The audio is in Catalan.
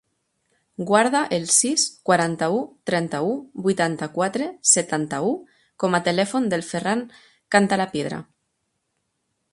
Guarda el sis, quaranta-u, trenta-u, vuitanta-quatre, setanta-u com a telèfon del Ferran Cantalapiedra.